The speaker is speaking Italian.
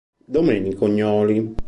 Domenico Gnoli